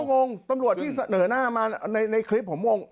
ซึ่งผมก็งงตำรวจที่เสนอหน้ามาในคลิปผมงง